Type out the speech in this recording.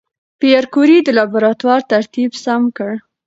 پېیر کوري د لابراتوار ترتیب سم کړ.